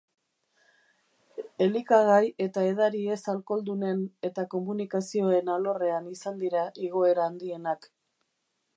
Elikagai eta edari ez alkoholdunen eta komunikazioen alorrean izan dira igoera handienak.